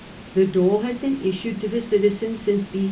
The dole had been issued to the citizens since B.